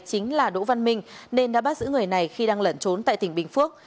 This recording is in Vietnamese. chính là đỗ văn minh nên đã bắt giữ người này khi đang lẩn trốn tại tỉnh bình phước